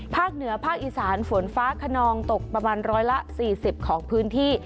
เหนือภาคอีสานฝนฟ้าขนองตกประมาณ๑๔๐ของพื้นที่